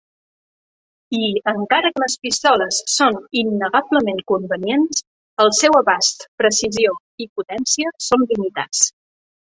I, encara que les pistoles són innegablement convenients, el seu abast, precisió i potència són limitats.